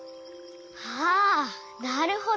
ああなるほど！